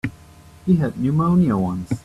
She had pneumonia once.